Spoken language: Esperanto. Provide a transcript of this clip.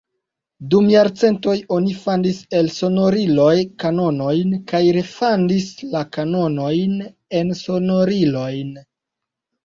Dum jarcentoj oni fandis el sonoriloj kanonojn kaj refandis la kanonojn en sonorilojn.